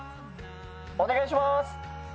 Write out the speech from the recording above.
お願いします！